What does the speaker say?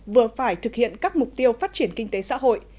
vừa phải thực hiện các mục tiêu phát triển kinh tế xã hội